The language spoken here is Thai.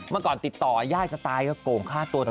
เมื่อก่อนติดต่อญาติกลงฆ่าตัวเธอ